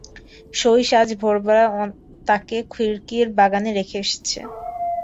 সইস আজ ভোরবেলায় তাকে খিড়কির বাগানে রেখে এসেছে।